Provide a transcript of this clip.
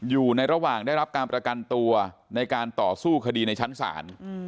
อยู่ในระหว่างได้รับการประกันตัวในการต่อสู้คดีในชั้นศาล